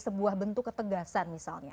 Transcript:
sebuah bentuk ketegasan misalnya